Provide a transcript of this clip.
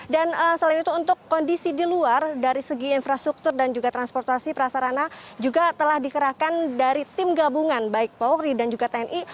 dan selain itu untuk kondisi di luar dari segi infrastruktur dan juga transportasi prasarana juga telah dikerahkan dari tim gabungan baik polri dan juga tni